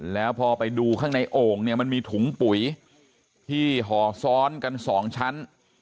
แล้วพอไปดูข้างในโอ่งเนี่ยมันมีถุงปุ๋ยที่ห่อซ้อนกันสองชั้น